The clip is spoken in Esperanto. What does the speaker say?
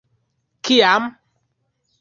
- Kiam?